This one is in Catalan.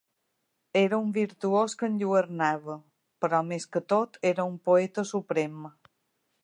Era un virtuós que enlluernava, però més que tot era un poeta suprem.